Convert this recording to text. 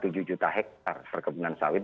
tujuh juta hektare perkebunan sawit